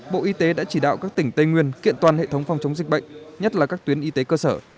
bộ y tế đã chỉ đạo các tỉnh tây nguyên kiện toàn hệ thống phòng chống dịch bệnh nhất là các tuyến y tế cơ sở